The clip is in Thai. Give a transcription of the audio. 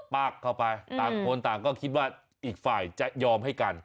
ปากเข้าไปต่างคนต่างก็คิดว่าอีกฝ่ายจะยอมให้กัน